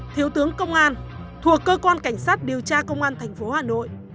thiếu tướng công an thuộc cơ quan cảnh sát điều tra công an tp hà nội